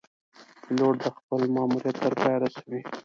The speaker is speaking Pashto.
پیلوټ خپل ماموریت تر پایه رسوي.